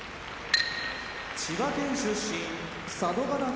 千葉県出身佐渡ヶ嶽